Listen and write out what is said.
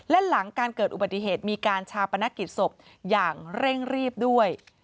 และหลังการเกิดอุบัติเหตุมีการชาปนกิจศพอย่างเร่งรีบด้วย